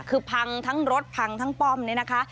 คือพังทั้งรถพังทั้งป้อมเนี่ยนะคะ